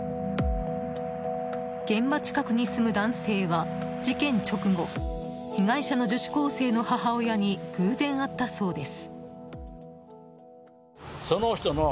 現場近くに住む男性は、事件直後被害者の女子高生の母親に偶然会ったそうです。